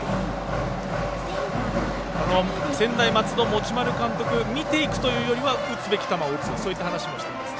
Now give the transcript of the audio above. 専大松戸、持丸監督見ていくというよりは打つべき球を打つという話をしていますね。